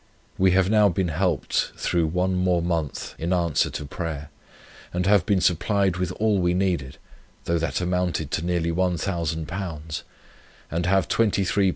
We have now been helped through one more month, in answer to prayer, and have been supplied with all we needed, though that amounted to nearly £1000, and have £23 8s.